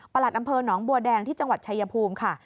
ประหลัดอำเภอน้องบัวแดงที่จังหวัดชายภูมิค่ะ